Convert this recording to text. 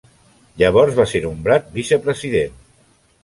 Llavors va ser nombrat vicepresident.